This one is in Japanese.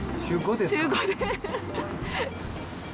週５で。